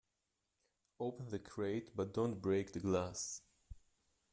Open the crate but don't break the glass.